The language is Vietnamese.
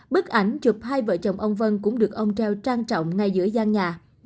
bức ảnh chụp hai vợ chồng ông vân cũng được ông treo trang trọng ngay giữa gian nhà